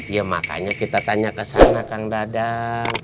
ya makanya kita tanya ke sana kang dadang